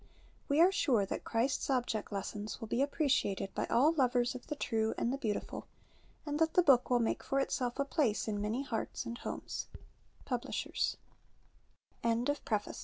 We are sure that '' Chris fs Object Lessons'' zvill be appreciated by all lovers of the true and the beautiful, and that the book zvill make for itself a place in many hearts and h